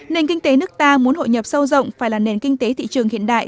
nền kinh tế nước ta muốn hội nhập sâu rộng phải là nền kinh tế thị trường hiện đại